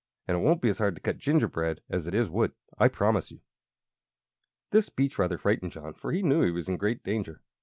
And it won't be as hard to cut gingerbread as it is wood, I promise you." This speech rather frightened John, for he knew he was in great danger.